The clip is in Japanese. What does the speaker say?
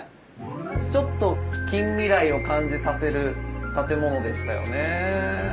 ちょっと近未来を感じさせる建物でしたよね。